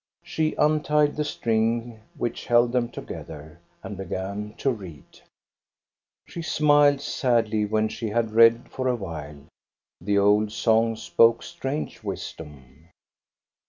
She untied the string which held them together, and began to read. She smiled sadly when she had read for a while; the old songs spoke strange wisdom.